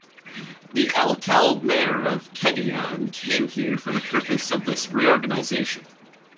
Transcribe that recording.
The alcalde mayor of Cagayan came here for the purpose of this reorganization.